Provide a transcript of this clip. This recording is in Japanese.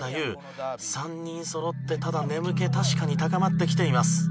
３人そろってただ眠気確かに高まってきています。